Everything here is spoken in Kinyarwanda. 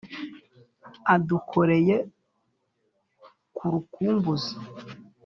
adukoreye ku rukumbuzi